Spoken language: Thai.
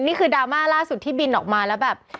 ดราม่าล่าสุดที่บินออกมาแล้วแบบ